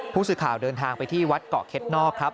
ผู้สื่อข่าวเดินทางไปที่วัดเกาะเข็ดนอกครับ